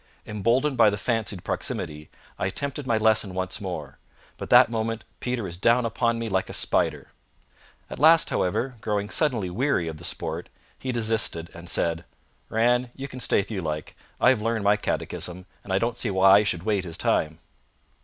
Emboldened by the fancied proximity, I attempted my lesson once more, but that moment Peter was down upon me like a spider. At last, however, growing suddenly weary of the sport, he desisted, and said: "Ran, you can stay if you like. I've learned my catechism, and I don't see why I should wait his time."